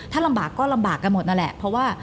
ถ้าลำบากก็ลำบากกันหมดนั่นแหละเพราะว่า